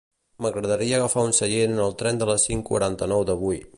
M'agradaria agafar un seient en el tren de les cinc quaranta-nou d'avui.